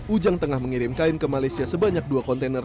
ujang tengah mengirim kain ke malaysia sebanyak dua kontainer